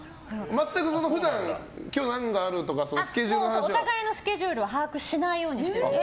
全く普段今日は何があるってお互いのスケジュールは把握しないようにしてるので。